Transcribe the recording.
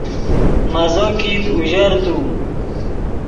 مزو کیت اوژر تو